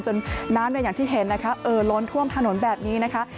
น้ำอย่างที่เห็นนะคะเอ่อล้นท่วมถนนแบบนี้นะคะ